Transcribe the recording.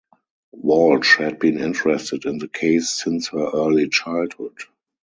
Walsh had been interested in the case since her early childhood.